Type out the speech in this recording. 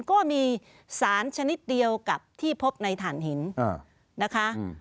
ก็มีสารชนิดเดียวกับที่พบในฐานหินนะคะ